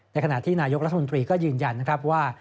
ในขณะที่นายกรัฐมนตรีก็ยืนยันว่า